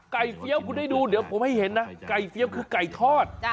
เฟี้ยวคุณให้ดูเดี๋ยวผมให้เห็นนะไก่เฟี้ยวคือไก่ทอด